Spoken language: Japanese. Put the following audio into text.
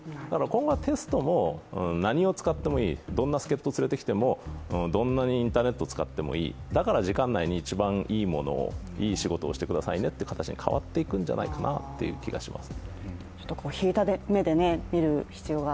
今後はテストも何を使ってもいい、どんな助っ人を連れてきてもどんなにインターネットを使ってもいい、だから時間内に、一番いいものをいい仕事をしてくださいねという形に変わっていくんじゃないかなと思います。